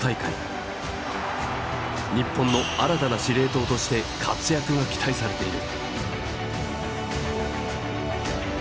日本の新たな司令塔として活躍が期待されている。